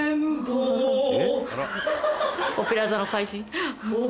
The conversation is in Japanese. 『オペラ座の怪人』？